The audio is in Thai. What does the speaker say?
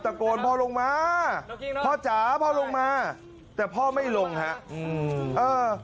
ตะโกนพ่อลงมาพ่อจ๋าพ่อลงมาแต่พ่อไม่ลงฮะอืมเออ